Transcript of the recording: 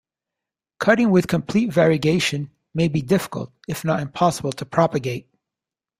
Cuttings with complete variegation may be difficult if not impossible to propagate.